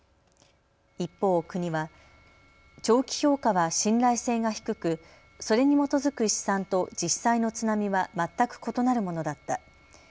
一方、国は長期評価は信頼性が低くそれに基づく試算と実際の津波は全く異なるものだった。